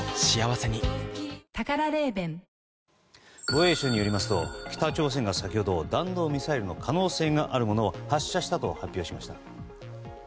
防衛省によりますと北朝鮮が先ほど弾道ミサイルの可能性があるものを発射したと発表しました。